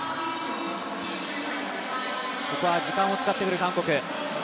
ここは時間を使ってくる韓国。